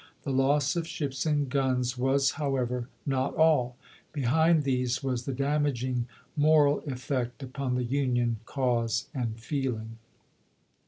The loss of ships and guns was, however, not all ; behind these was the damaging moral ef fect upon the Union cause and feeling.